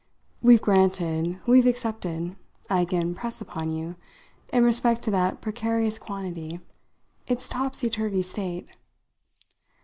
We've granted, we've accepted, I again press upon you, in respect to that precarious quantity, its topsy turvy state.